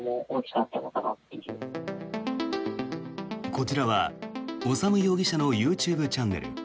こちらは修容疑者のＹｏｕＴｕｂｅチャンネル。